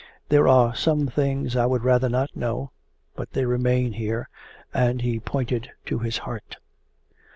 There are some things I would rather not know, but they remain here,' and he pointed to his heart.